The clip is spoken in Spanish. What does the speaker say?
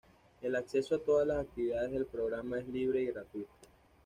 El acceso a todas las actividades del programa es libre y gratuito.